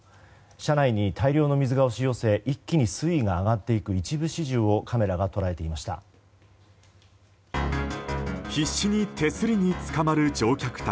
車内に大量の水が押し寄せ一気に水位が上がっていく一部始終をカメラが捉えていました。